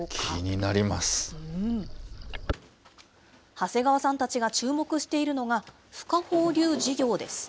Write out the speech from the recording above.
長谷川さんたちが注目しているのが、ふ化放流事業です。